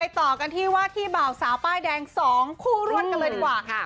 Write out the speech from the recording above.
ต่อกันที่ว่าที่บ่าวสาวป้ายแดง๒คู่ร่วนกันเลยดีกว่าค่ะ